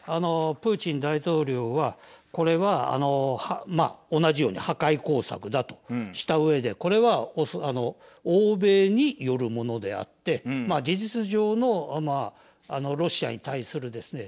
プーチン大統領はこれは同じように破壊工作だとしたうえでこれは欧米によるものであって事実上のロシアに対するですね